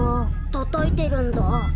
たたいてるんだ？